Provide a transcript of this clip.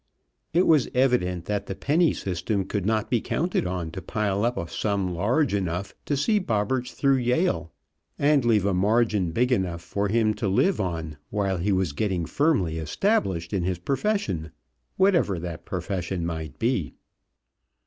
It was evident that the penny system could not be counted on to pile up a sum large enough to see Bobberts through Yale and leave a margin big enough for him to live on while he was getting firmly established in his profession, whatever that profession might be.